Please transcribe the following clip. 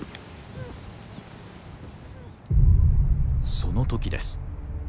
その時です。